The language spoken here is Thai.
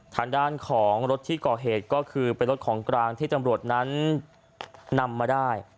ฐานด้านของรถที่ก่อเหตุก็คือเป็นรถของกลางที่ตัดโทรธนั้นในนาภารกันจะได้